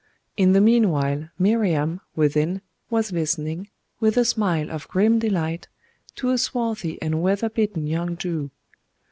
In the meanwhile, Miriam, within, was listening, with a smile of grim delight, to a swarthy and weather beaten young Jew.